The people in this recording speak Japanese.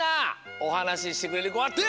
おはなししてくれるこはてあげて！